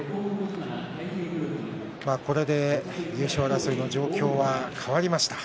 これで優勝争いの状況は変わりました。